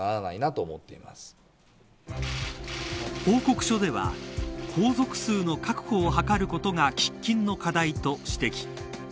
報告書では皇族数の確保を図ることが喫緊の課題と指摘。